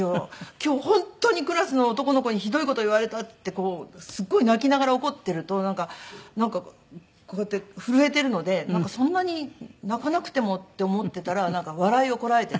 「今日本当にクラスの男の子にひどい事言われた」ってすごい泣きながら怒ってるとなんかこうやって震えてるのでそんなに泣かなくてもって思ってたら笑いをこらえてて。